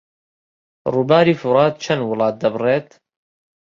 ڕووباری فورات چەند وڵات دەبڕێت؟